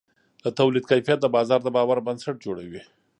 د تولید کیفیت د بازار د باور بنسټ جوړوي.